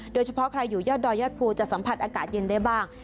โดยเฉพาะใครอยู่ยอดดอยยอดภูจะสัมผัสอากาศเย็นได้บ้าง